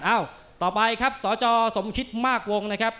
ต่อไปครับสจสมคิดมากวงนะครับ